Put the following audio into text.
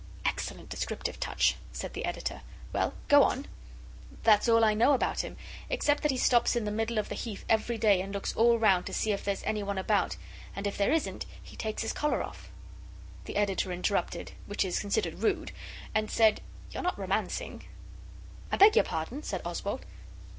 'Excellent descriptive touch,' said the Editor. 'Well, go on.' 'That's all I know about him, except that he stops in the middle of the Heath every day, and he looks all round to see if there's any one about, and if there isn't, he takes his collar off.' The Editor interrupted which is considered rude and said 'You're not romancing?' 'I beg your pardon?' said Oswald.